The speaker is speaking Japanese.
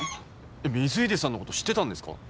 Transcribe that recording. えっ水出さんの事知ってたんですか？